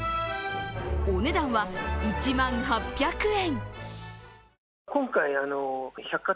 お値段は１万８００円。